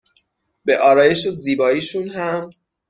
به آرایش و زیبایشون هم